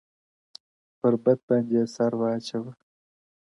پربت باندي يې سر واچوه ـ